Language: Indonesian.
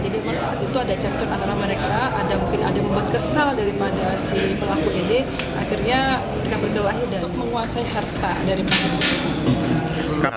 jadi kalau saat itu ada cacat antara mereka ada mungkin ada membuat kesal dari mana si pelaku ini akhirnya mereka berkelahi untuk menguasai harta dari pelaku itu